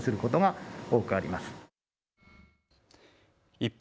一方。